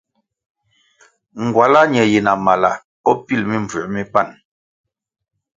Ngwala ka ñe yi na mala o pil mimbvū mi pan.